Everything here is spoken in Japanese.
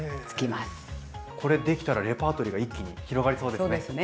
これできたらレパートリーが一気に広がりそうですね。